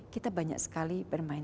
kita banyak sekali bermain